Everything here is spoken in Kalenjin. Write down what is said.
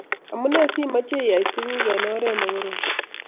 amune simache iyai tukuk eng oret nekorom